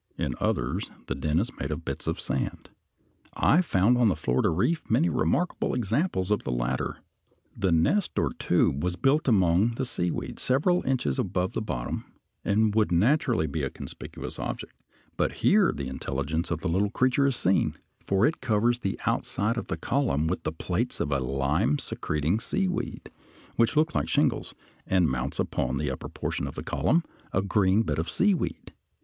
In others the den is made of bits of sand. I found on the Florida Reef many remarkable examples of the latter. The nest or tube was built among the seaweed, several inches above the bottom, and would naturally be a conspicuous object; but here the intelligence of the little creature is seen, for it covers the outside of the column with the plates of a lime secreting seaweed, which look like shingles, and mounts upon the upper portion of the column a green bit of seaweed.